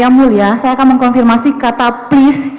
yang mulia saya akan mengkonfirmasi kata please